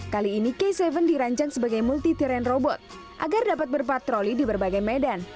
kali ini k tujuh dirancang sebagai multiran robot agar dapat berpatroli di berbagai medan